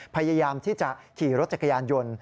พยายามที่จะขี่รถจักรยานยนต์